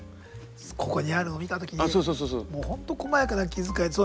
ここにあるのを見た時にもう本当こまやかな気遣いそう